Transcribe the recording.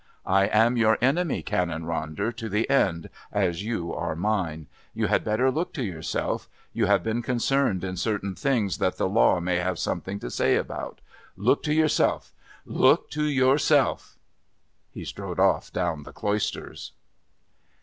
I am your enemy, Canon Ronder, to the end, as you are mine. You had better look to yourself. You have been concerned in certain things that the Law may have something to say about. Look to yourself! Look to yourself!" He strode off down the Cloisters.